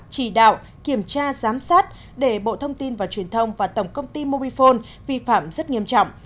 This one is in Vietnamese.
chỉ đạo kiểm tra giám sát để bộ thông tin và truyền thông và tổng công ty mobifone vi phạm rất nghiêm trọng